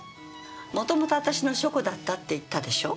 元々私の書庫だったって言ったでしょ。